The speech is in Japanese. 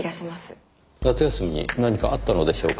夏休みに何かあったのでしょうか？